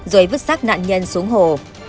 rồi vứt sát nạn nhân xuống hồ